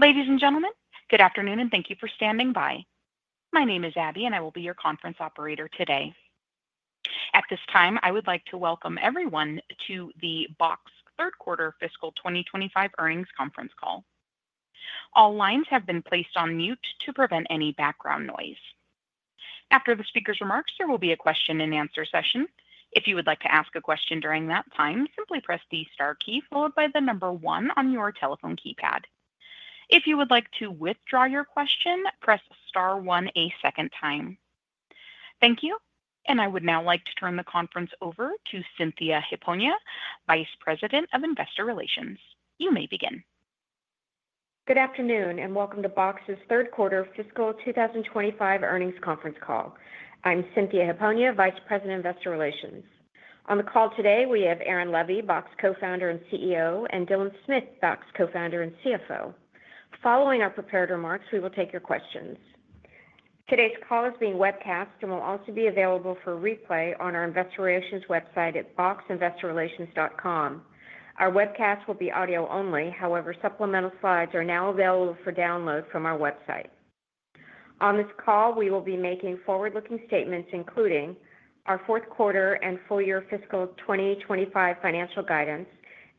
Ladies and gentlemen, good afternoon and thank you for standing by. My name is Abby, and I will be your conference operator today. At this time, I would like to welcome everyone to the Box's third quarter Fiscal 2025 earnings conference call. All lines have been placed on mute to prevent any background noise. After the speaker's remarks, there will be a question-and-answer session. If you would like to ask a question during that time, simply press the star key followed by the number one on your telephone keypad. If you would like to withdraw your question, press star one a second time. Thank you, and I would now like to turn the conference over to Cynthia Hipona, Vice President of Investor Relations. You may begin. Good afternoon and welcome to Box's third quarter fiscal 2025 earnings conference call. I'm Cynthia Hipona, Vice President of Investor Relations. On the call today, we have Aaron Levie, Box co-founder and CEO, and Dylan Smith, Box co-founder and CFO. Following our prepared remarks, we will take your questions. Today's call is being webcast and will also be available for replay on our Investor Relations website at boxinvestorrelations.com. Our webcast will be audio-only. However, supplemental slides are now available for download from our website. On this call, we will be making forward-looking statements including our fourth quarter and full year fiscal 2025 financial guidance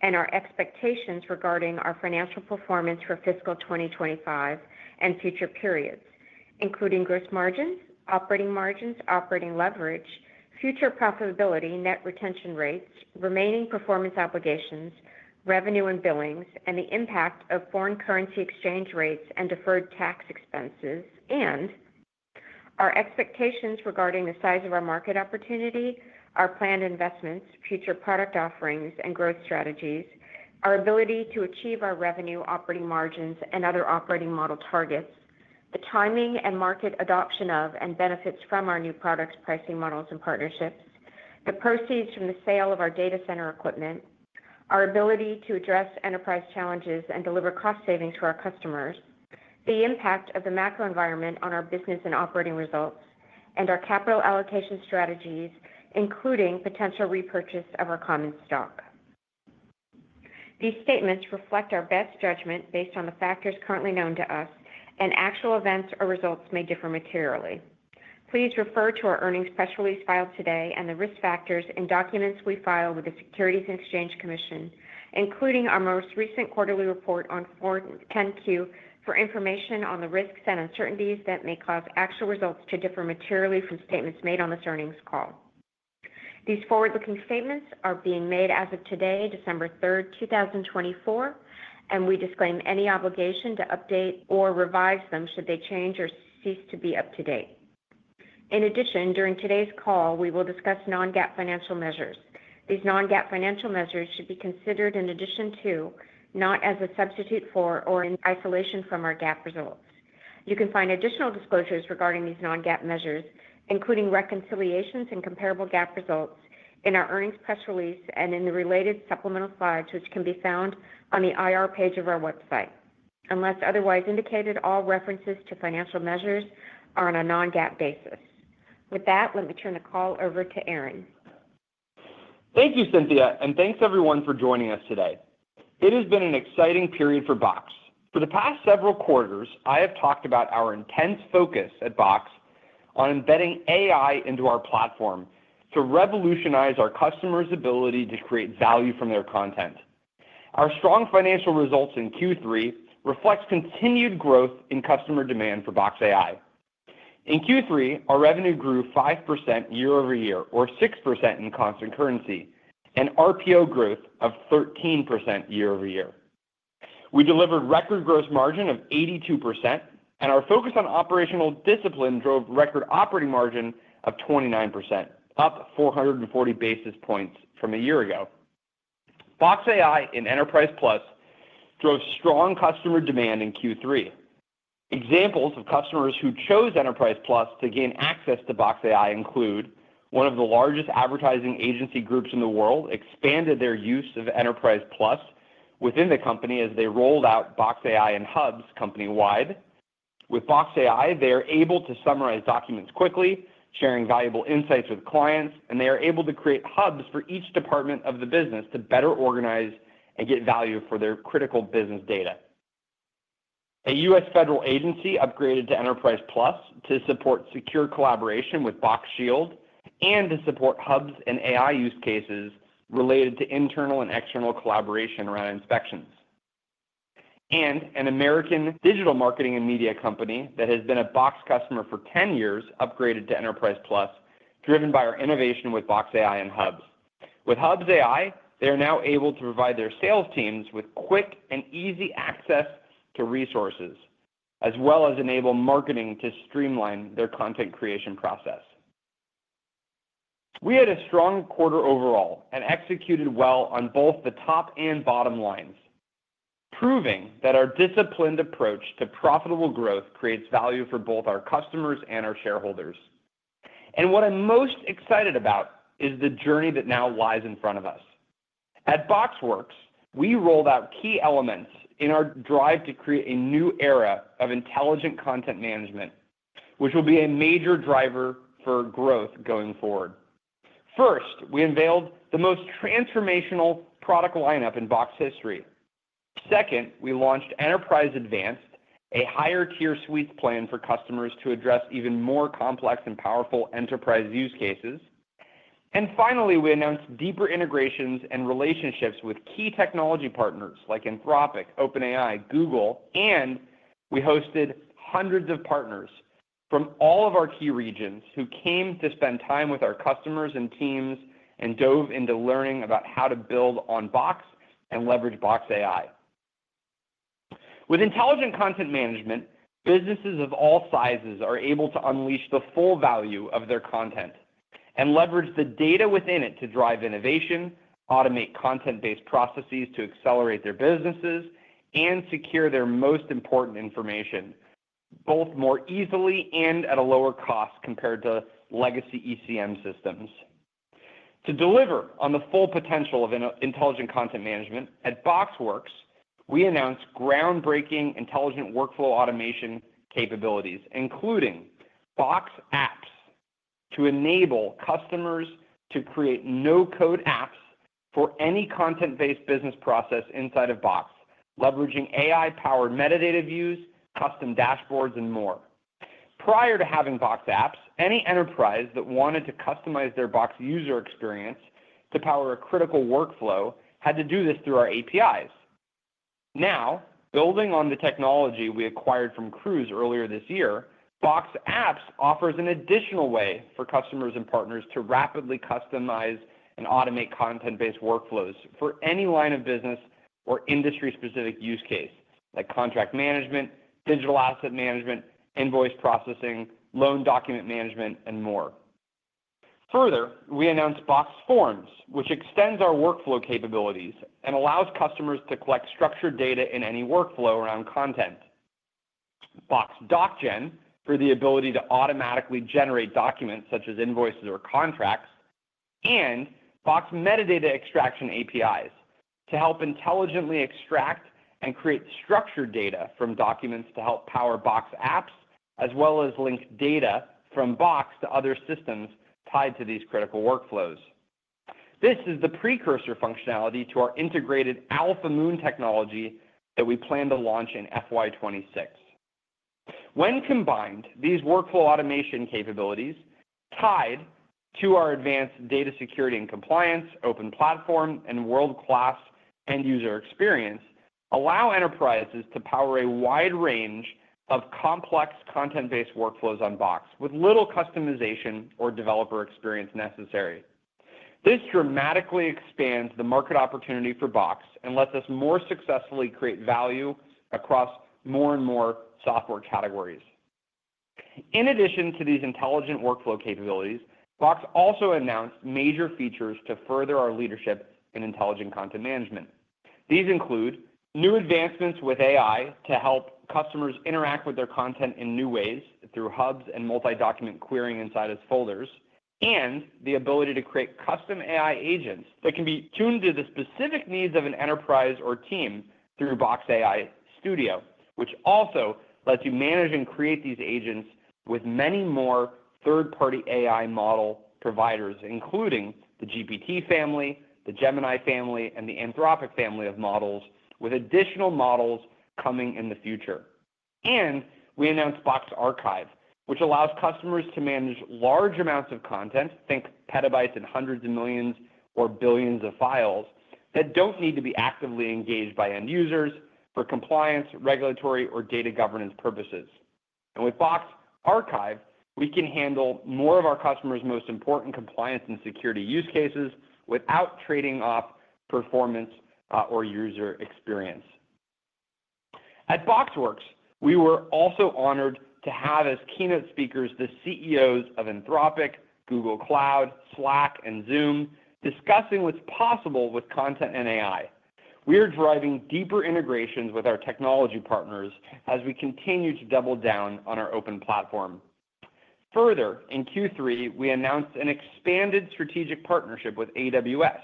and our expectations regarding our financial performance for fiscal 2025 and future periods, including gross margins, operating margins, operating leverage, future profitability, net retention rates, remaining performance obligations, revenue and billings, and the impact of foreign currency exchange rates and deferred tax expenses, and our expectations regarding the size of our market opportunity, our planned investments, future product offerings, and growth strategies, our ability to achieve our revenue, operating margins, and other operating model targets, the timing and market adoption of and benefits from our new products, pricing models, and partnerships, the proceeds from the sale of our data center equipment, our ability to address enterprise challenges and deliver cost savings for our customers. The impact of the macro environment on our business and operating results, and our capital allocation strategies, including potential repurchase of our common stock. These statements reflect our best judgment based on the factors currently known to us, and actual events or results may differ materially. Please refer to our earnings press release filed today and the risk factors and documents we filed with the Securities and Exchange Commission, including our most recent quarterly report on 10-Q for information on the risks and uncertainties that may cause actual results to differ materially from statements made on this earnings call. These forward-looking statements are being made as of today, December 3rd, 2024, and we disclaim any obligation to update or revise them should they change or cease to be up to date. In addition, during today's call, we will discuss non-GAAP financial measures. These non-GAAP financial measures should be considered in addition to, not as a substitute for, or in isolation from our GAAP results. You can find additional disclosures regarding these non-GAAP measures, including reconciliations and comparable GAAP results, in our earnings press release and in the related supplemental slides, which can be found on the IR page of our website. Unless otherwise indicated, all references to financial measures are on a non-GAAP basis. With that, let me turn the call over to Aaron. Thank you, Cynthia, and thanks everyone for joining us today. It has been an exciting period for Box. For the past several quarters, I have talked about our intense focus at Box on embedding AI into our platform to revolutionize our customers' ability to create value from their content. Our strong financial results in Q3 reflect continued growth in customer demand for Box AI. In Q3, our revenue grew 5% year-over-year, or 6% in constant currency, and RPO growth of 13% year-over-year. We delivered record gross margin of 82%, and our focus on operational discipline drove record operating margin of 29%, up 440 basis points from a year ago. Box AI and Enterprise Plus drove strong customer demand in Q3. Examples of customers who chose Enterprise Plus to gain access to Box AI include one of the largest advertising agency groups in the world, which expanded their use of Enterprise Plus within the company as they rolled out Box AI and Hubs company-wide. With Box AI, they are able to summarize documents quickly, sharing valuable insights with clients, and they are able to create Hubs for each department of the business to better organize and get value for their critical business data. A U.S. federal agency upgraded to Enterprise Plus to support secure collaboration with Box Shield and to support Hubs and AI use cases related to internal and external collaboration around inspections. And an American digital marketing and media company that has been a Box customer for 10 years upgraded to Enterprise Plus, driven by our innovation with Box AI and Hubs. With Hubs AI, they are now able to provide their sales teams with quick and easy access to resources, as well as enable marketing to streamline their content creation process. We had a strong quarter overall and executed well on both the top and bottom lines, proving that our disciplined approach to profitable growth creates value for both our customers and our shareholders. And what I'm most excited about is the journey that now lies in front of us. At BoxWorks, we rolled out key elements in our drive to create a new era of intelligent content management, which will be a major driver for growth going forward. First, we unveiled the most transformational product lineup in Box history. Second, we launched Enterprise Advanced, a higher-tier suite planned for customers to address even more complex and powerful enterprise use cases. And finally, we announced deeper integrations and relationships with key technology partners like Anthropic, OpenAI, Google, and we hosted hundreds of partners from all of our key regions who came to spend time with our customers and teams and dove into learning about how to build on Box and leverage Box AI. With intelligent content management, businesses of all sizes are able to unleash the full value of their content and leverage the data within it to drive innovation, automate content-based processes to accelerate their businesses, and secure their most important information, both more easily and at a lower cost compared to legacy ECM systems. To deliver on the full potential of intelligent content management, at BoxWorks, we announced groundbreaking intelligent workflow automation capabilities, including Box Apps to enable customers to create no-code apps for any content-based business process inside of Box, leveraging AI-powered metadata views, custom dashboards, and more. Prior to having Box Apps, any enterprise that wanted to customize their Box user experience to power a critical workflow had to do this through our APIs. Now, building on the technology we acquired from Crooze earlier this year, Box Apps offers an additional way for customers and partners to rapidly customize and automate content-based workflows for any line of business or industry-specific use case, like contract management, digital asset management, invoice processing, loan document management, and more. Further, we announced Box Forms, which extends our workflow capabilities and allows customers to collect structured data in any workflow around content. Box Doc Gen, for the ability to automatically generate documents such as invoices or contracts, and Box Metadata Extraction APIs to help intelligently extract and create structured data from documents to help power Box Apps, as well as link data from Box to other systems tied to these critical workflows. This is the precursor functionality to our integrated Alphamoon technology that we plan to launch in FY 2026. When combined, these workflow automation capabilities, tied to our advanced data security and compliance, open platform, and world-class end-user experience, allow enterprises to power a wide range of complex content-based workflows on Box with little customization or developer experience necessary. This dramatically expands the market opportunity for Box and lets us more successfully create value across more and more software categories. In addition to these intelligent workflow capabilities, Box also announced major features to further our leadership in intelligent content management. These include new advancements with AI to help customers interact with their content in new ways through Hubs and multi-document querying inside its folders, and the ability to create custom AI agents that can be tuned to the specific needs of an enterprise or team through Box AI Studio, which also lets you manage and create these agents with many more third-party AI model providers, including the GPT family, the Gemini family, and the Anthropic family of models, with additional models coming in the future. And we announced Box Archive, which allows customers to manage large amounts of content (think petabytes and hundreds of millions or billions of files) that don't need to be actively engaged by end users for compliance, regulatory, or data governance purposes. And with Box Archive, we can handle more of our customers' most important compliance and security use cases without trading off performance or user experience. At BoxWorks, we were also honored to have as keynote speakers the CEOs of Anthropic, Google Cloud, Slack, and Zoom discussing what's possible with content and AI. We are driving deeper integrations with our technology partners as we continue to double down on our open platform. Further, in Q3, we announced an expanded strategic partnership with AWS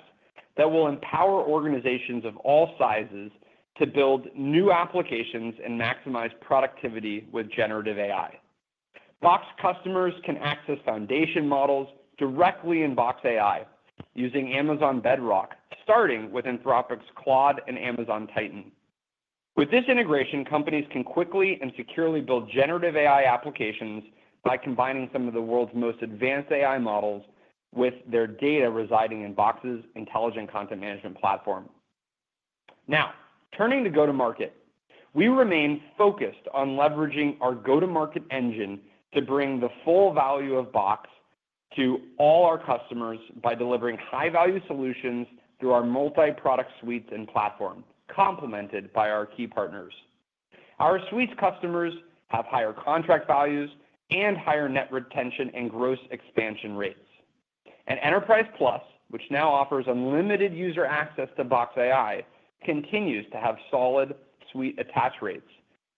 that will empower organizations of all sizes to build new applications and maximize productivity with generative AI. Box customers can access foundation models directly in Box AI using Amazon Bedrock, starting with Anthropic's Claude and Amazon Titan. With this integration, companies can quickly and securely build generative AI applications by combining some of the world's most advanced AI models with their data residing in Box's intelligent content management platform. Now, turning to go-to-market, we remain focused on leveraging our go-to-market engine to bring the full value of Box to all our customers by delivering high-value solutions through our multi-product Suites and platform, complemented by our key partners. Our Suites customers have higher contract values and higher net retention and gross expansion rates. And Enterprise Plus, which now offers unlimited user access to Box AI, continues to have solid suite attach rates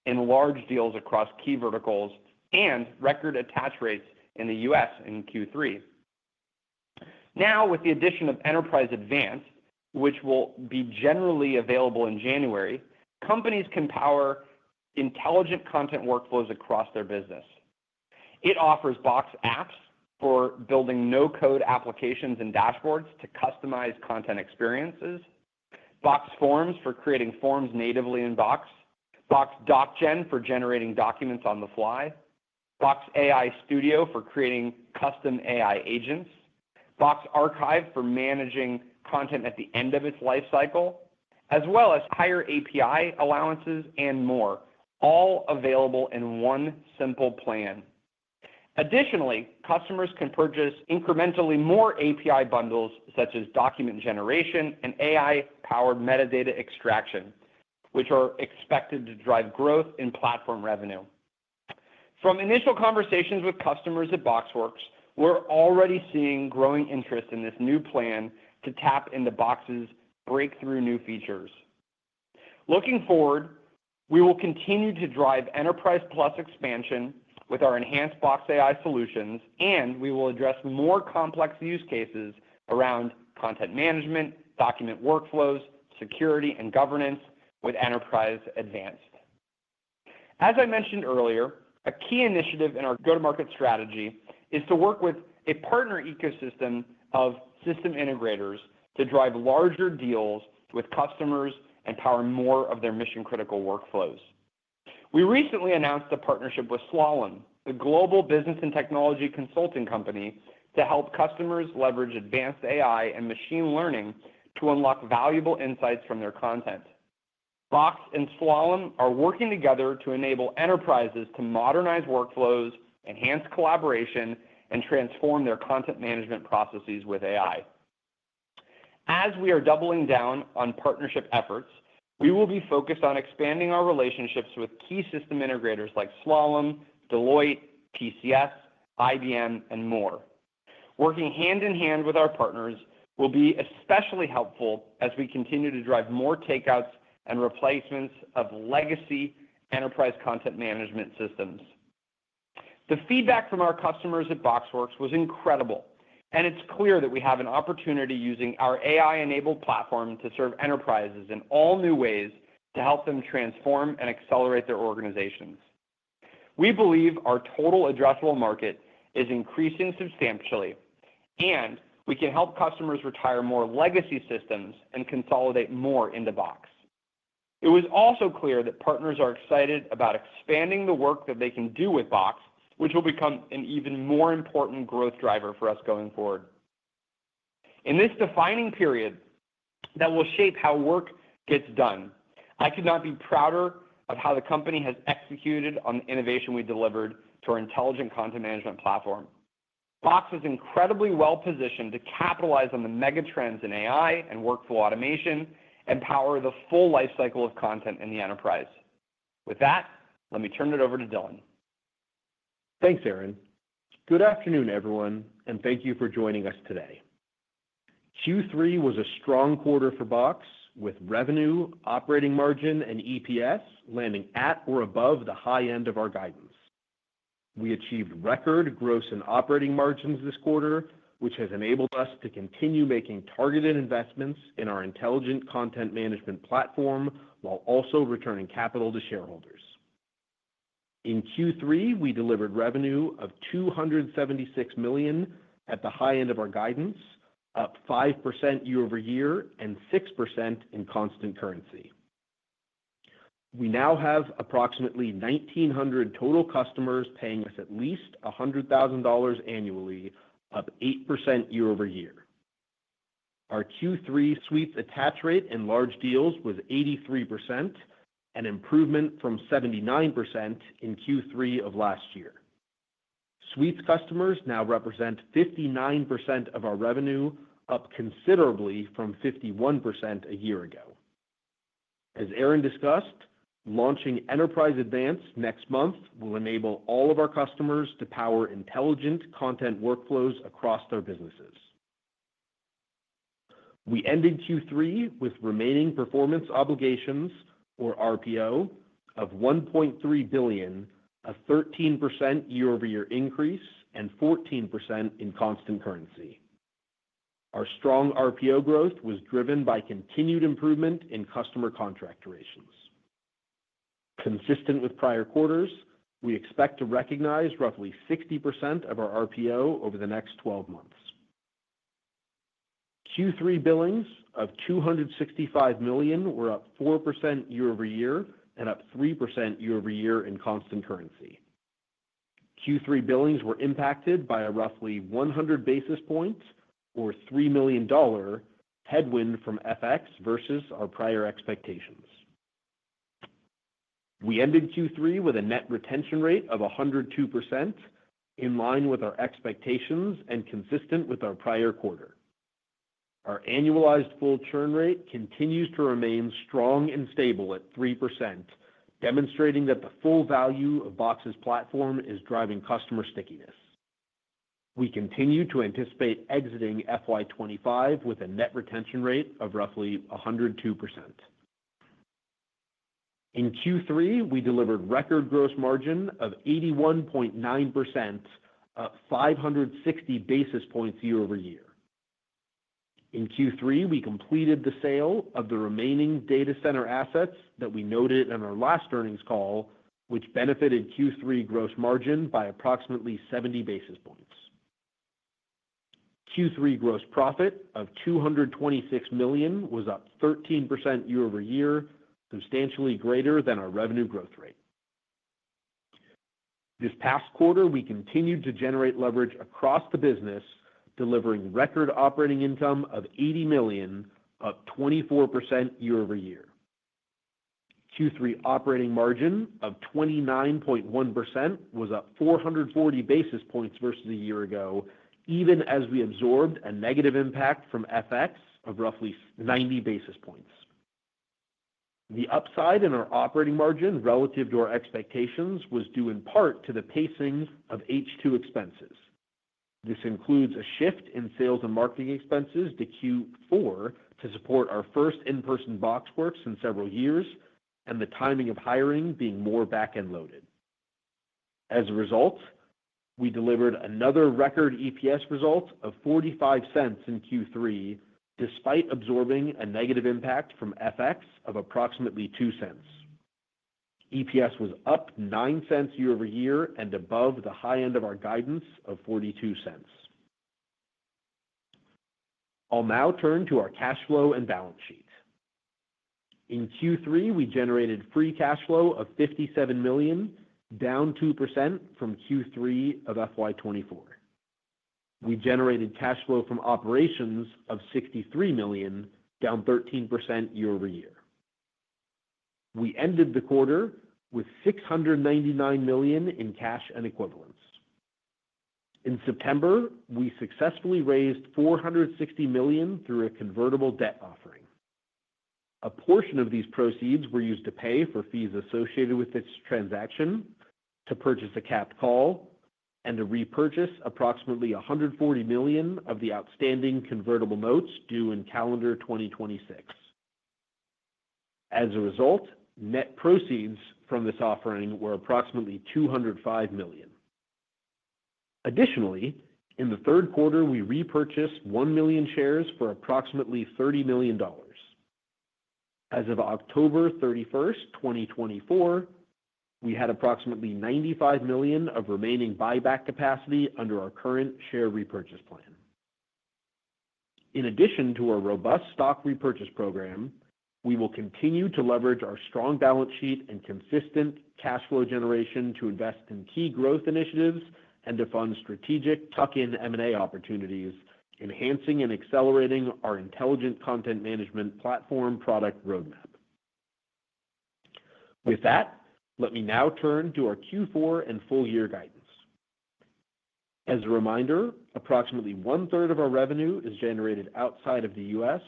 in large deals across key verticals and record attach rates in the U.S. in Q3. Now, with the addition of Enterprise Advanced, which will be generally available in January, companies can power intelligent content workflows across their business. It offers Box Apps for building no-code applications and dashboards to customize content experiences, Box Forms for creating forms natively in Box, Box Doc Gen for generating documents on the fly, Box AI Studio for creating custom AI agents, Box Archive for managing content at the end of its lifecycle, as well as higher API allowances and more, all available in one simple plan. Additionally, customers can purchase incrementally more API bundles, such as document generation and AI-powered metadata extraction, which are expected to drive growth in platform revenue. From initial conversations with customers at BoxWorks, we're already seeing growing interest in this new plan to tap into Box's breakthrough new features. Looking forward, we will continue to drive Enterprise Plus expansion with our enhanced Box AI solutions, and we will address more complex use cases around content management, document workflows, security, and governance with Enterprise Advanced. As I mentioned earlier, a key initiative in our go-to-market strategy is to work with a partner ecosystem of system integrators to drive larger deals with customers and power more of their mission-critical workflows. We recently announced a partnership with Slalom, a global business and technology consulting company, to help customers leverage advanced AI and machine learning to unlock valuable insights from their content. Box and Slalom are working together to enable enterprises to modernize workflows, enhance collaboration, and transform their content management processes with AI. As we are doubling down on partnership efforts, we will be focused on expanding our relationships with key system integrators like Slalom, Deloitte, TCS, IBM, and more. Working hand in hand with our partners will be especially helpful as we continue to drive more takeouts and replacements of legacy enterprise content management systems. The feedback from our customers at BoxWorks was incredible, and it's clear that we have an opportunity using our AI-enabled platform to serve enterprises in all new ways to help them transform and accelerate their organizations. We believe our total addressable market is increasing substantially, and we can help customers retire more legacy systems and consolidate more into Box. It was also clear that partners are excited about expanding the work that they can do with Box, which will become an even more important growth driver for us going forward. In this defining period that will shape how work gets done, I could not be prouder of how the company has executed on the innovation we delivered to our intelligent content management platform. Box is incredibly well-positioned to capitalize on the mega trends in AI and workflow automation and power the full lifecycle of content in the enterprise. With that, let me turn it over to Dylan. Thanks, Aaron. Good afternoon, everyone, and thank you for joining us today. Q3 was a strong quarter for Box, with revenue, operating margin, and EPS landing at or above the high end of our guidance. We achieved record gross and operating margins this quarter, which has enabled us to continue making targeted investments in our intelligent content management platform while also returning capital to shareholders. In Q3, we delivered revenue of $276 million at the high end of our guidance, up 5% year-over-year and 6% in constant currency. We now have approximately 1,900 total customers paying us at least $100,000 annually, up 8% year-over-year. Our Q3 Suites attach rate in large deals was 83%, an improvement from 79% in Q3 of last year. Suites customers now represent 59% of our revenue, up considerably from 51% a year ago. As Aaron discussed, launching Enterprise Advanced next month will enable all of our customers to power intelligent content workflows across their businesses. We ended Q3 with remaining performance obligations, or RPO, of $1.3 billion, a 13% year-over-year increase and 14% in constant currency. Our strong RPO growth was driven by continued improvement in customer contract durations. Consistent with prior quarters, we expect to recognize roughly 60% of our RPO over the next 12 months. Q3 billings of $265 million were up 4% year-over-year and up 3% year-over-year in constant currency. Q3 billings were impacted by a roughly 100 basis points, or $3 million, headwind from FX versus our prior expectations. We ended Q3 with a net retention rate of 102%, in line with our expectations and consistent with our prior quarter. Our annualized full churn rate continues to remain strong and stable at 3%, demonstrating that the full value of Box's platform is driving customer stickiness. We continue to anticipate exiting FY 2025 with a net retention rate of roughly 102%. In Q3, we delivered record gross margin of 81.9%, up 560 basis points year-over-year. In Q3, we completed the sale of the remaining data center assets that we noted in our last earnings call, which benefited Q3 gross margin by approximately 70 basis points. Q3 gross profit of $226 million was up 13% year-over-year, substantially greater than our revenue growth rate. This past quarter, we continued to generate leverage across the business, delivering record operating income of $80 million, up 24% year-over-year. Q3 operating margin of 29.1% was up 440 basis points versus a year ago, even as we absorbed a negative impact from FX of roughly 90 basis points. The upside in our operating margin relative to our expectations was due in part to the pacing of H2 expenses. This includes a shift in sales and marketing expenses to Q4 to support our first in-person BoxWorks in several years and the timing of hiring being more back-end loaded. As a result, we delivered another record EPS result of $0.45 in Q3, despite absorbing a negative impact from FX of approximately $0.02. EPS was up $0.09 year-over-year and above the high end of our guidance of $0.42. I'll now turn to our cash flow and balance sheet. In Q3, we generated free cash flow of $57 million, down 2% from Q3 of FY 2024. We generated cash flow from operations of $63 million, down 13% year-over-year. We ended the quarter with $699 million in cash and equivalents. In September, we successfully raised $460 million through a convertible debt offering. A portion of these proceeds were used to pay for fees associated with this transaction, to purchase a capped call, and to repurchase approximately $140 million of the outstanding convertible notes due in calendar 2026. As a result, net proceeds from this offering were approximately $205 million. Additionally, in the third quarter, we repurchased one million shares for approximately $30 million. As of October 31, 2024, we had approximately $95 million of remaining buyback capacity under our current share repurchase plan. In addition to our robust stock repurchase program, we will continue to leverage our strong balance sheet and consistent cash flow generation to invest in key growth initiatives and to fund strategic tuck-in M&A opportunities, enhancing and accelerating our intelligent content management platform product roadmap. With that, let me now turn to our Q4 and full-year guidance. As a reminder, approximately one-third of our revenue is generated outside of the U.S.,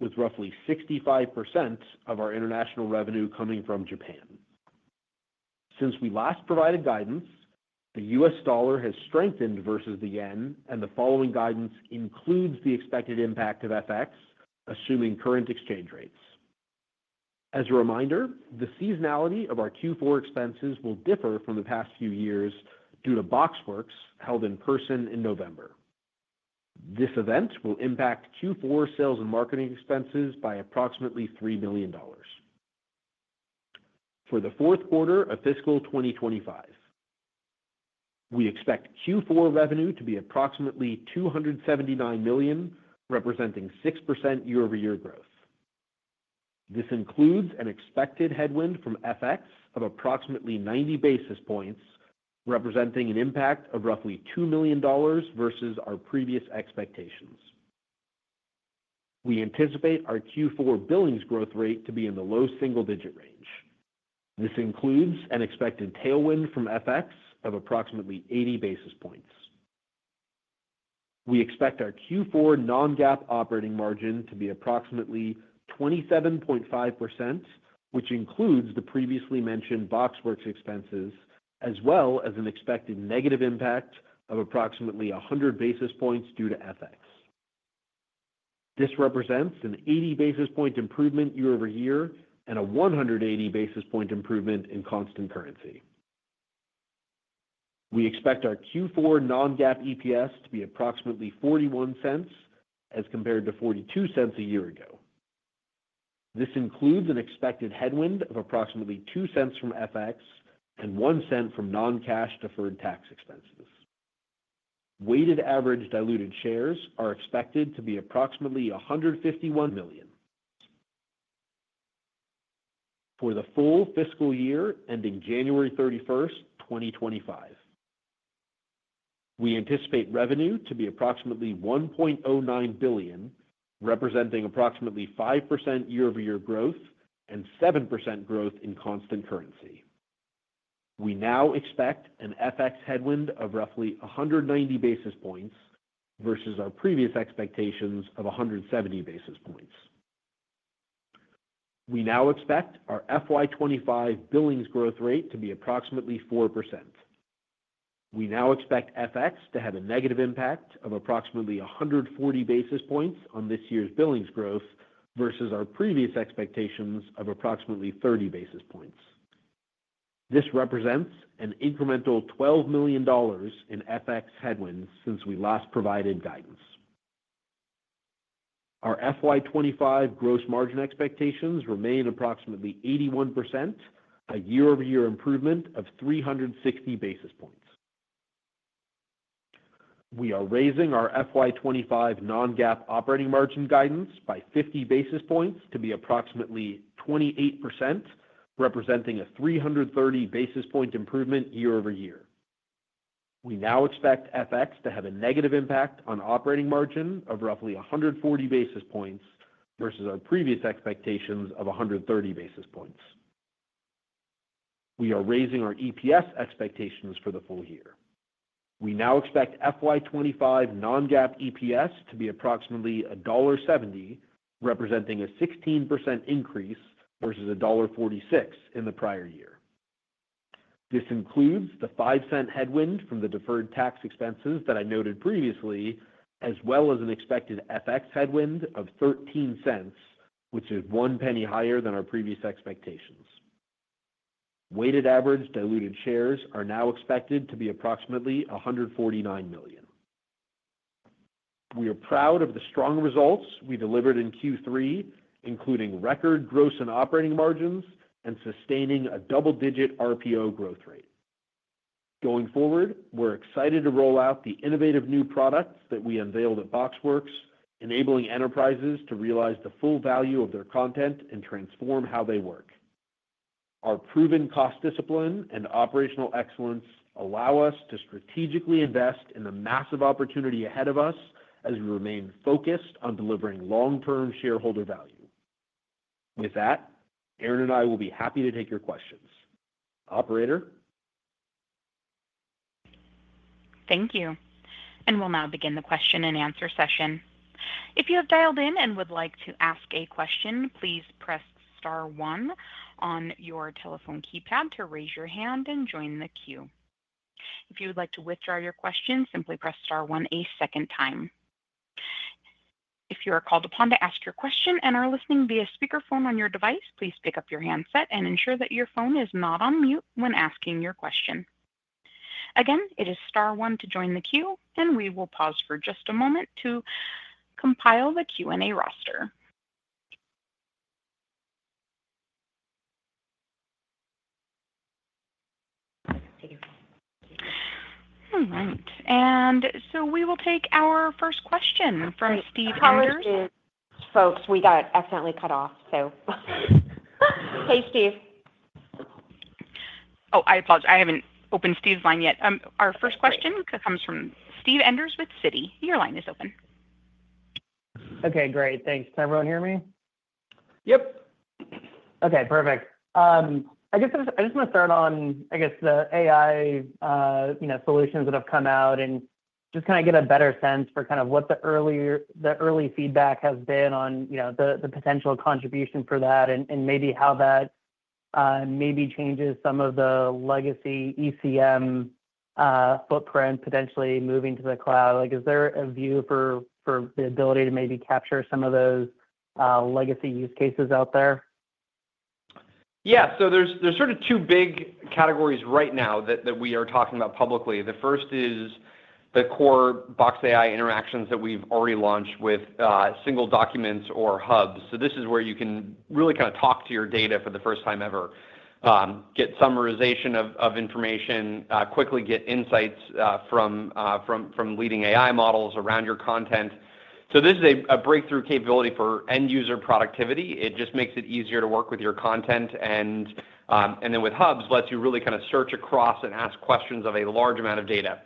with roughly 65% of our international revenue coming from Japan. Since we last provided guidance, the U.S. dollar has strengthened versus the yen, and the following guidance includes the expected impact of FX, assuming current exchange rates. As a reminder, the seasonality of our Q4 expenses will differ from the past few years due to BoxWorks held in person in November. This event will impact Q4 sales and marketing expenses by approximately $3 million. For the fourth quarter of fiscal 2025, we expect Q4 revenue to be approximately $279 million, representing 6% year-over-year growth. This includes an expected headwind from FX of approximately 90 basis points, representing an impact of roughly $2 million versus our previous expectations. We anticipate our Q4 billings growth rate to be in the low single-digit range. This includes an expected tailwind from FX of approximately 80 basis points. We expect our Q4 non-GAAP operating margin to be approximately 27.5%, which includes the previously mentioned BoxWorks expenses, as well as an expected negative impact of approximately 100 basis points due to FX. This represents an 80-basis-point improvement year-over-year and a 180-basis-point improvement in constant currency. We expect our Q4 non-GAAP EPS to be approximately $0.41 as compared to $0.42 a year ago. This includes an expected headwind of approximately $0.02 from FX and $0.01 from non-cash deferred tax expenses. Weighted average diluted shares are expected to be approximately 151 million. For the full fiscal year ending January 31, 2025, we anticipate revenue to be approximately $1.09 billion, representing approximately 5% year-over-year growth and 7% growth in constant currency. We now expect an FX headwind of roughly 190 basis points versus our previous expectations of 170 basis points. We now expect our FY 2025 billings growth rate to be approximately 4%. We now expect FX to have a negative impact of approximately 140 basis points on this year's billings growth versus our previous expectations of approximately 30 basis points. This represents an incremental $12 million in FX headwinds since we last provided guidance. Our FY 2025 gross margin expectations remain approximately 81%, a year-over-year improvement of 360 basis points. We are raising our FY 2025 non-GAAP operating margin guidance by 50 basis points to be approximately 28%, representing a 330 basis point improvement year-over-year. We now expect FX to have a negative impact on operating margin of roughly 140 basis points versus our previous expectations of 130 basis points. We are raising our EPS expectations for the full year. We now expect FY 2025 non-GAAP EPS to be approximately $1.70, representing a 16% increase versus $1.46 in the prior year. This includes the $0.05 headwind from the deferred tax expenses that I noted previously, as well as an expected FX headwind of $0.13, which is one penny higher than our previous expectations. Weighted average diluted shares are now expected to be approximately 149 million. We are proud of the strong results we delivered in Q3, including record gross and operating margins and sustaining a double-digit RPO growth rate. Going forward, we're excited to roll out the innovative new products that we unveiled at BoxWorks, enabling enterprises to realize the full value of their content and transform how they work. Our proven cost discipline and operational excellence allow us to strategically invest in the massive opportunity ahead of us as we remain focused on delivering long-term shareholder value. With that, Aaron and I will be happy to take your questions. Operator? Thank you, and we'll now begin the question-and-answer session. If you have dialed in and would like to ask a question, please press star one on your telephone keypad to raise your hand and join the queue. If you would like to withdraw your question, simply press star one a second time. If you are called upon to ask your question and are listening via speakerphone on your device, please pick up your handset and ensure that your phone is not on mute when asking your question. Again, it is star one to join the queue, and we will pause for just a moment to compile the Q&A roster. All right, and so we will take our first question from Steve Enders. Folks, we got accidentally cut off, so. Hey, Steve. Oh, I apologize. I haven't opened Steve's line yet. Our first question comes from Steve Enders with Citi. Your line is open. Okay. Great. Thanks. Can everyone hear me? Yep. Okay. Perfect. I guess I just want to start on, I guess, the AI solutions that have come out and just kind of get a better sense for kind of what the early feedback has been on the potential contribution for that and maybe how that maybe changes some of the legacy ECM footprint, potentially moving to the cloud. Is there a view for the ability to maybe capture some of those legacy use cases out there? Yeah. So there's sort of two big categories right now that we are talking about publicly. The first is the core Box AI interactions that we've already launched with single documents or Hubs. So this is where you can really kind of talk to your data for the first time ever, get summarization of information, quickly get insights from leading AI models around your content. So this is a breakthrough capability for end-user productivity. It just makes it easier to work with your content. And then with Hubs, lets you really kind of search across and ask questions of a large amount of data.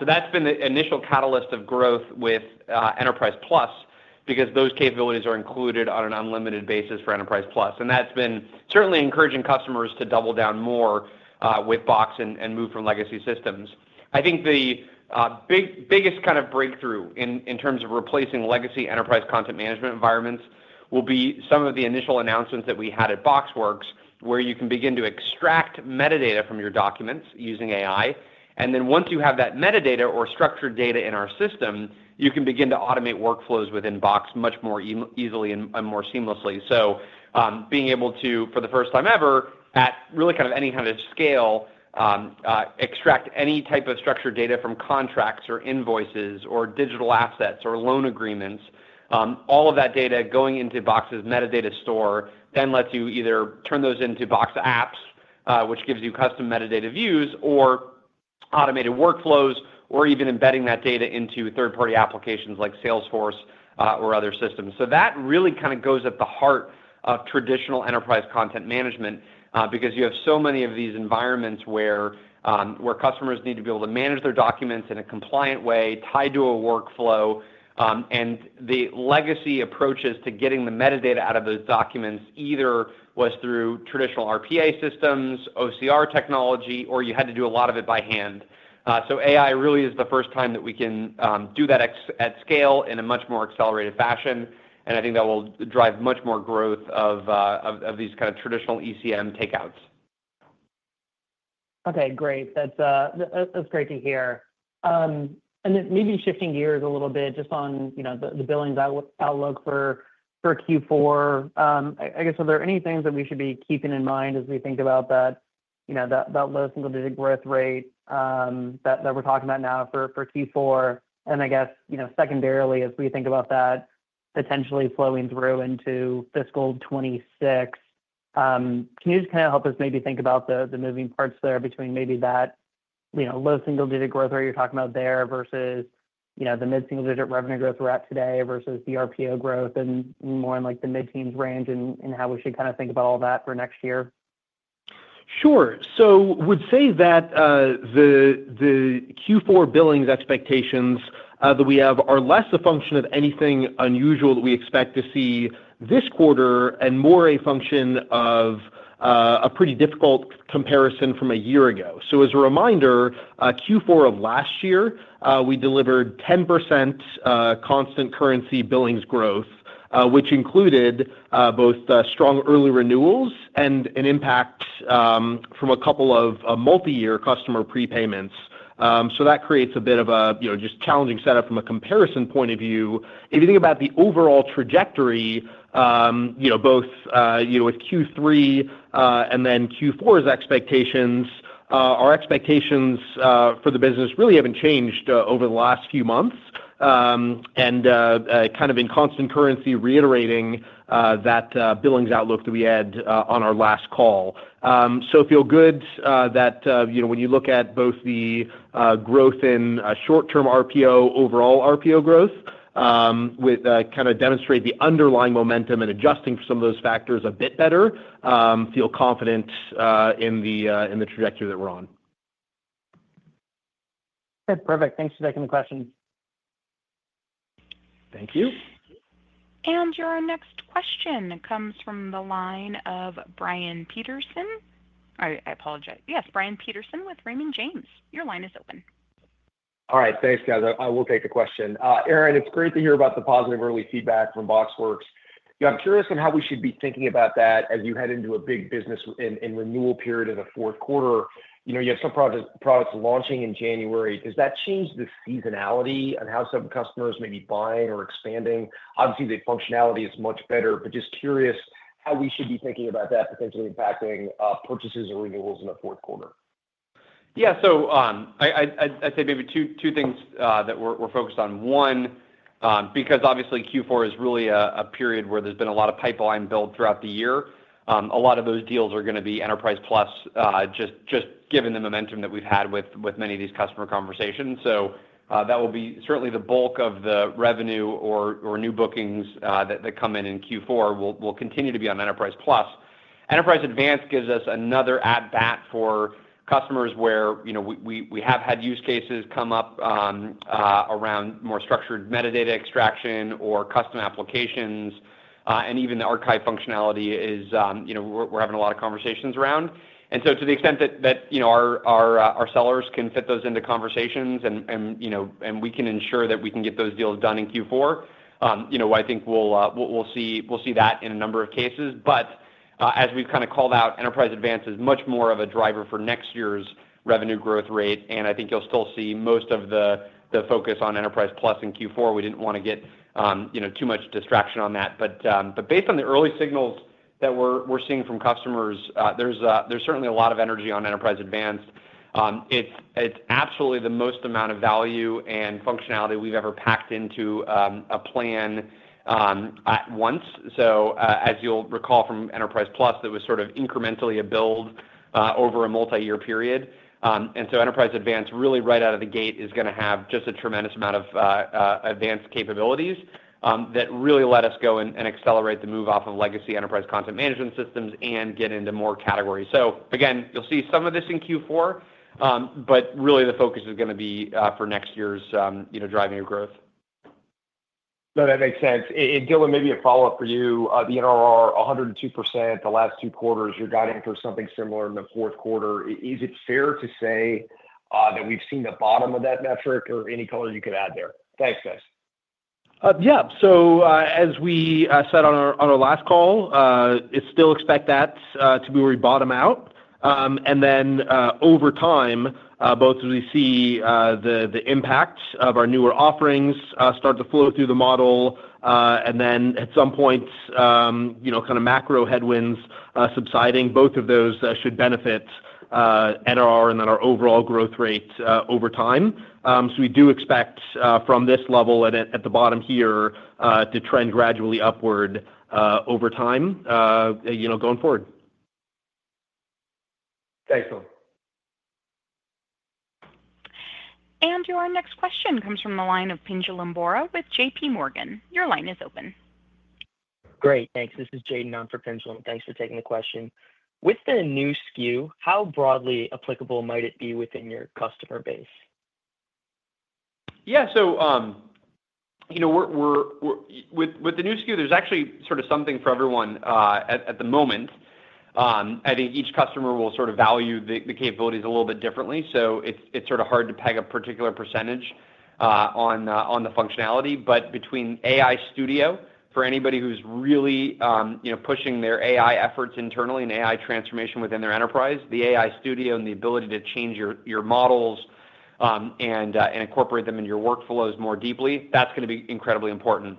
So that's been the initial catalyst of growth with Enterprise Plus because those capabilities are included on an unlimited basis for Enterprise Plus. And that's been certainly encouraging customers to double down more with Box and move from legacy systems. I think the biggest kind of breakthrough in terms of replacing legacy enterprise content management environments will be some of the initial announcements that we had at BoxWorks, where you can begin to extract metadata from your documents using AI, and then once you have that metadata or structured data in our system, you can begin to automate workflows within Box much more easily and more seamlessly, so being able to, for the first time ever, at really kind of any kind of scale, extract any type of structured data from contracts or invoices or digital assets or loan agreements, all of that data going into Box's metadata store then lets you either turn those into Box Apps, which gives you custom metadata views, or automated workflows, or even embedding that data into third-party applications like Salesforce or other systems. So that really kind of goes at the heart of traditional Enterprise Content Management because you have so many of these environments where customers need to be able to manage their documents in a compliant way, tie to a workflow. And the legacy approaches to getting the metadata out of those documents either was through traditional RPA systems, OCR technology, or you had to do a lot of it by hand. So AI really is the first time that we can do that at scale in a much more accelerated fashion. And I think that will drive much more growth of these kind of traditional ECM takeouts. Okay. Great. That's great to hear. And then maybe shifting gears a little bit just on the billings outlook for Q4, I guess, are there any things that we should be keeping in mind as we think about that low single-digit growth rate that we're talking about now for Q4? And I guess, secondarily, as we think about that potentially flowing through into fiscal 2026, can you just kind of help us maybe think about the moving parts there between maybe that low single-digit growth rate you're talking about there versus the mid-single-digit revenue growth we're at today versus the RPO growth and more in the mid-teens range and how we should kind of think about all that for next year? Sure. I would say that the Q4 billings expectations that we have are less a function of anything unusual that we expect to see this quarter and more a function of a pretty difficult comparison from a year ago. So as a reminder, Q4 of last year, we delivered 10% constant currency billings growth, which included both strong early renewals and an impact from a couple of multi-year customer prepayments. So that creates a bit of a just challenging setup from a comparison point of view. If you think about the overall trajectory, both with Q3 and then Q4's expectations, our expectations for the business really haven't changed over the last few months and kind of in constant currency, reiterating that billings outlook that we had on our last call. So feel good that when you look at both the growth in short-term RPO, overall RPO growth, with kind of demonstrate the underlying momentum and adjusting for some of those factors a bit better, feel confident in the trajectory that we're on. Okay. Perfect. Thanks for taking the question. Thank you. And your next question comes from the line of Brian Peterson. I apologize. Yes, Brian Peterson with Raymond James. Your line is open. All right. Thanks, guys. I will take the question. Aaron, it's great to hear about the positive early feedback from BoxWorks. I'm curious on how we should be thinking about that as you head into a big business and renewal period in the fourth quarter. You have some products launching in January. Does that change the seasonality on how some customers may be buying or expanding? Obviously, the functionality is much better, but just curious how we should be thinking about that potentially impacting purchases or renewals in the fourth quarter? Yeah. So I'd say maybe two things that we're focused on. One, because obviously Q4 is really a period where there's been a lot of pipeline build throughout the year, a lot of those deals are going to be Enterprise Plus, just given the momentum that we've had with many of these customer conversations. So that will be certainly the bulk of the revenue or new bookings that come in in Q4 will continue to be on Enterprise Plus. Enterprise Advanced gives us another at-bat for customers where we have had use cases come up around more structured metadata extraction or custom applications. And even the archive functionality is we're having a lot of conversations around. And so to the extent that our sellers can fit those into conversations and we can ensure that we can get those deals done in Q4, I think we'll see that in a number of cases. But as we've kind of called out, Enterprise Advanced is much more of a driver for next year's revenue growth rate. And I think you'll still see most of the focus on Enterprise Plus in Q4. We didn't want to get too much distraction on that. But based on the early signals that we're seeing from customers, there's certainly a lot of energy on Enterprise Advanced. It's absolutely the most amount of value and functionality we've ever packed into a plan at once. So as you'll recall from Enterprise Plus, it was sort of incrementally a build over a multi-year period. Enterprise Advanced, really right out of the gate, is going to have just a tremendous amount of advanced capabilities that really let us go and accelerate the move off of legacy enterprise content management systems and get into more categories. So again, you'll see some of this in Q4, but really the focus is going to be for next year driving growth. No, that makes sense. Dylan, maybe a follow-up for you. The NRR 102% the last two quarters, you're guiding for something similar in the fourth quarter. Is it fair to say that we've seen the bottom of that metric or any color you could add there? Thanks, guys. Yeah. So as we said on our last call, we still expect that to be where we bottom out. And then, over time, both as we see the impact of our newer offerings start to flow through the model, and then at some point, kind of macro headwinds subsiding, both of those should benefit NRR and then our overall growth rate over time. So we do expect from this level at the bottom here to trend gradually upward over time going forward. Thanks, Dylan. And your next question comes from the line of Pinjalim Bora with JPMorgan. Your line is open. Great. Thanks. This is Jalen for Pinjalim. Thanks for taking the question. With the new SKU, how broadly applicable might it be within your customer base? Yeah. So with the new SKU, there's actually sort of something for everyone at the moment. I think each customer will sort of value the capabilities a little bit differently. So it's sort of hard to peg a particular percentage on the functionality. But between AI Studio, for anybody who's really pushing their AI efforts internally and AI transformation within their enterprise, the AI Studio and the ability to change your models and incorporate them in your workflows more deeply, that's going to be incredibly important.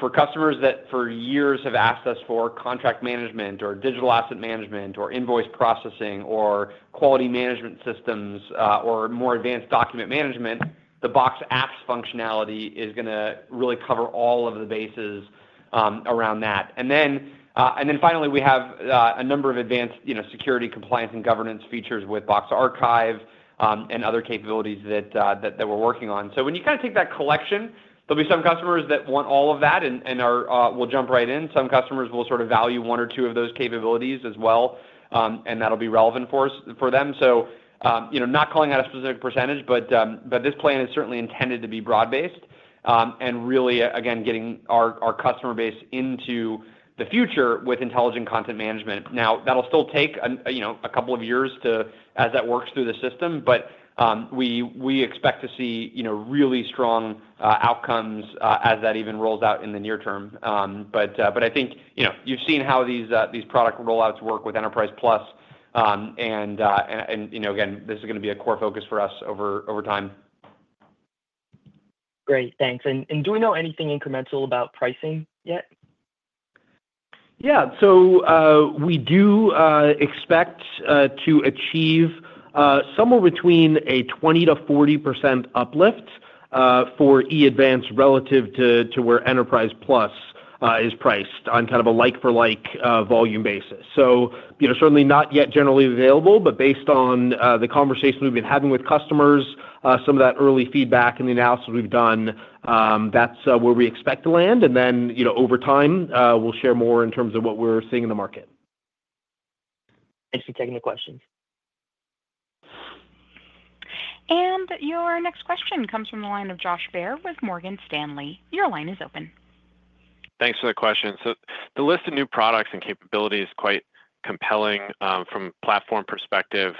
For customers that for years have asked us for contract management or digital asset management or invoice processing or quality management systems or more advanced document management, the Box Apps functionality is going to really cover all of the bases around that. And then finally, we have a number of advanced security compliance and governance features with Box Archive and other capabilities that we're working on. So when you kind of take that collection, there'll be some customers that want all of that and will jump right in. Some customers will sort of value one or two of those capabilities as well, and that'll be relevant for them. So not calling out a specific percentage, but this plan is certainly intended to be broad-based and really, again, getting our customer base into the future with intelligent content management. Now, that'll still take a couple of years as that works through the system, but we expect to see really strong outcomes as that even rolls out in the near term. But I think you've seen how these product rollouts work with Enterprise Plus. And again, this is going to be a core focus for us over time. Great. Thanks. And do we know anything incremental about pricing yet? Yeah. So we do expect to achieve somewhere between a 20%-40% uplift for Enterprise Advanced relative to where Enterprise Plus is priced on kind of a like-for-like volume basis. So certainly not yet generally available, but based on the conversation we've been having with customers, some of that early feedback and the analysis we've done, that's where we expect to land. And then over time, we'll share more in terms of what we're seeing in the market. Thanks for taking the questions. And your next question comes from the line of Josh Baer with Morgan Stanley. Your line is open. Thanks for the question. So the list of new products and capabilities is quite compelling from a platform perspective,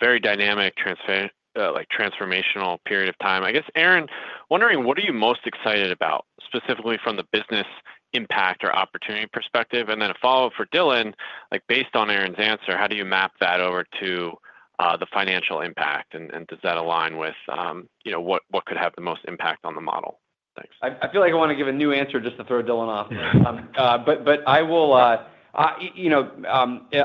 very dynamic, transformational period of time. I guess, Aaron, wondering what are you most excited about, specifically from the business impact or opportunity perspective? And then a follow-up for Dylan, based on Aaron's answer, how do you map that over to the financial impact? And does that align with what could have the most impact on the model? Thanks. I feel like I want to give a new answer just to throw Dylan off. But I'll stick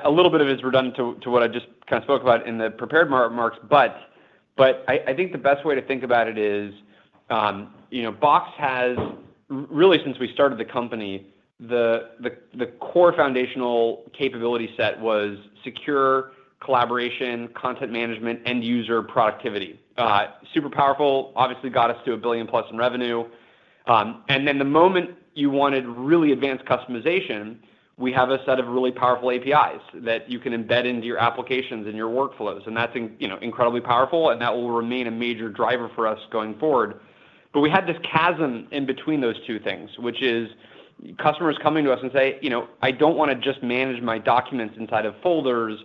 a little bit. It's redundant to what I just kind of spoke about in the prepared remarks. But I think the best way to think about it is Box has really, since we started the company, the core foundational capability set was secure collaboration, content management, end-user productivity. Super powerful, obviously got us to a billion-plus in revenue. And then the moment you wanted really advanced customization, we have a set of really powerful APIs that you can embed into your applications and your workflows. And that's incredibly powerful, and that will remain a major driver for us going forward. But we had this chasm in between those two things, which is customers coming to us and say, "I don't want to just manage my documents inside of folders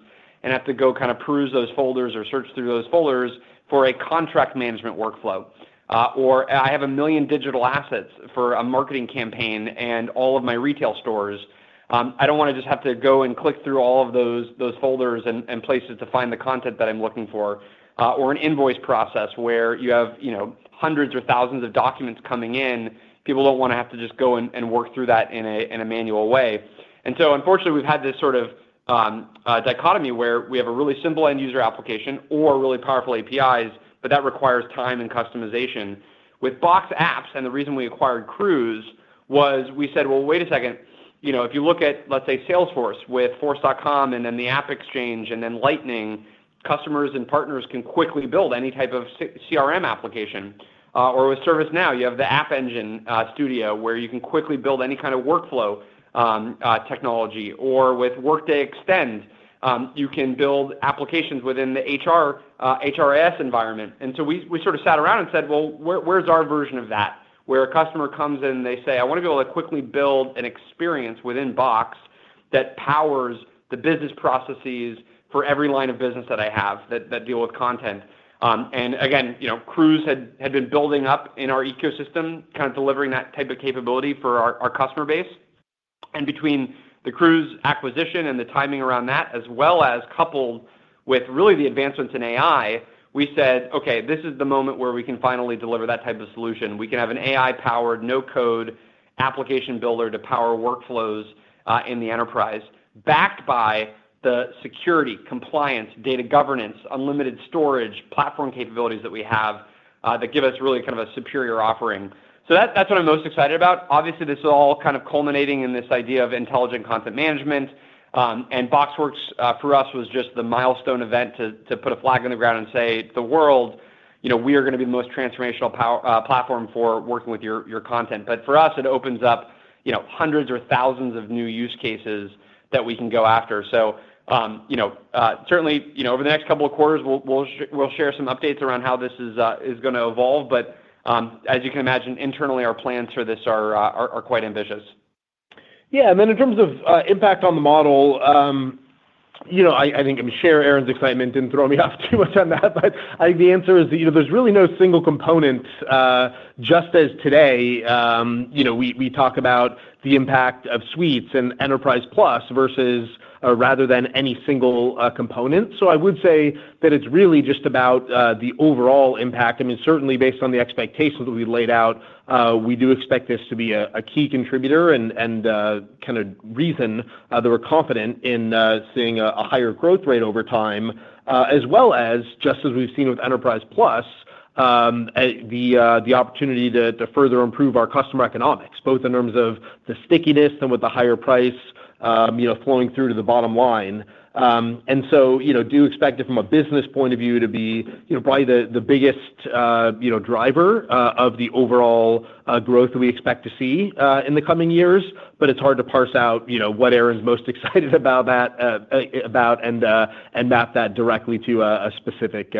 and have to go kind of peruse those folders or search through those folders for a contract management workflow." Or, "I have a million digital assets for a marketing campaign and all of my retail stores. I don't want to just have to go and click through all of those folders and places to find the content that I'm looking for." Or an invoice process where you have hundreds or thousands of documents coming in. People don't want to have to just go and work through that in a manual way. And so, unfortunately, we've had this sort of dichotomy where we have a really simple end-user application or really powerful APIs, but that requires time and customization. With Box Apps, and the reason we acquired Crooze was we said, "Well, wait a second. If you look at, let's say, Salesforce with Force.com and then the AppExchange and then Lightning, customers and partners can quickly build any type of CRM application." Or with ServiceNow, you have the App Engine Studio where you can quickly build any kind of workflow technology. Or with Workday Extend, you can build applications within the HRIS environment. And so we sort of sat around and said, "Well, where's our version of that?" Where a customer comes in, they say, "I want to be able to quickly build an experience within Box that powers the business processes for every line of business that I have that deal with content." And again, Crooze had been building up in our ecosystem, kind of delivering that type of capability for our customer base. And between the Crooze acquisition and the timing around that, as well as coupled with really the advancements in AI, we said, "Okay, this is the moment where we can finally deliver that type of solution. We can have an AI-powered no-code application builder to power workflows in the enterprise, backed by the security, compliance, data governance, unlimited storage, platform capabilities that we have that give us really kind of a superior offering." So that's what I'm most excited about. Obviously, this is all kind of culminating in this idea of intelligent content management. And BoxWorks, for us, was just the milestone event to put a flag on the ground and say, "The world, we are going to be the most transformational platform for working with your content." But for us, it opens up hundreds or thousands of new use cases that we can go after. Certainly, over the next couple of quarters, we'll share some updates around how this is going to evolve. As you can imagine, internally, our plans for this are quite ambitious. Yeah. Then in terms of impact on the model, I think I'm going to share Aaron's excitement and throw me off too much on that. But I think the answer is that there's really no single component. Just as today, we talk about the impact of Suites and Enterprise Plus rather than any single component. I would say that it's really just about the overall impact. I mean, certainly, based on the expectations that we've laid out, we do expect this to be a key contributor and kind of reason that we're confident in seeing a higher growth rate over time, as well as, just as we've seen with Enterprise Plus, the opportunity to further improve our customer economics, both in terms of the stickiness and with the higher price flowing through to the bottom line. And so do expect it from a business point of view to be probably the biggest driver of the overall growth that we expect to see in the coming years. But it's hard to parse out what Aaron's most excited about and map that directly to a specific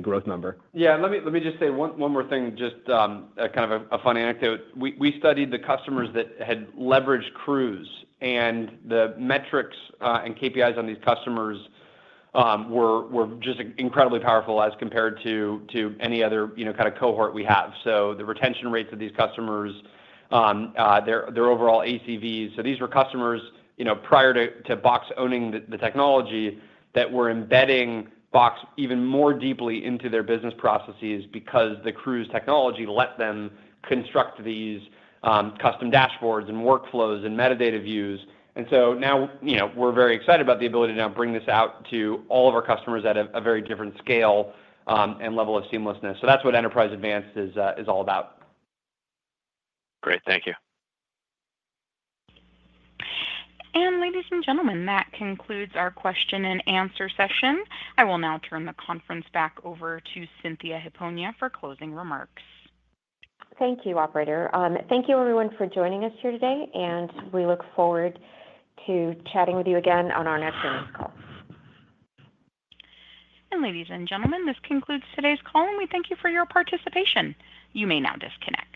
growth number. Yeah. Let me just say one more thing, just kind of a funny anecdote. We studied the customers that had leveraged Crooze, and the metrics and KPIs on these customers were just incredibly powerful as compared to any other kind of cohort we have. So the retention rates of these customers, their overall ACVs. So these were customers prior to Box owning the technology that were embedding Box even more deeply into their business processes because the Crooze technology let them construct these custom dashboards and workflows and metadata views. And so now we're very excited about the ability to now bring this out to all of our customers at a very different scale and level of seamlessness. So that's what Enterprise Advanced is all about. Great. Thank you. And ladies and gentlemen, that concludes our question and answer session. I will now turn the conference back over to Cynthia Hipona for closing remarks. Thank you, operator. Thank you, everyone, for joining us here today. And we look forward to chatting with you again on our next call. And ladies and gentlemen, this concludes today's call, and we thank you for your participation. You may now disconnect.